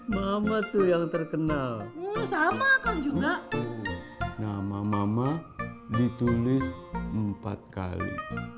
mama tuh yang terkenal sama kan juga nama mama ditulis empat kali